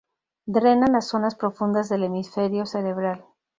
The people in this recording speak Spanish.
Drenan las zonas profundas del hemisferio cerebral.